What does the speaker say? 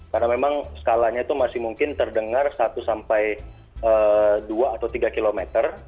karena memang skalanya itu masih mungkin terdengar satu sampai dua atau tiga kilometer